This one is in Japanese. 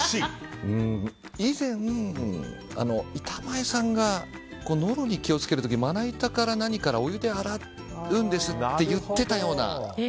以前、板前さんがノロに気を付ける時まな板から何からお湯で洗うんですって言ってたような。